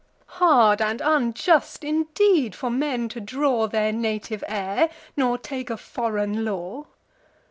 Hard and unjust indeed, for men to draw Their native air, nor take a foreign law!